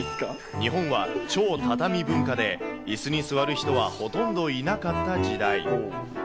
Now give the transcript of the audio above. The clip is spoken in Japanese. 日本は超畳文化で、いすに座る人はほとんどいなかった時代。